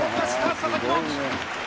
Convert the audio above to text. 佐々木朗希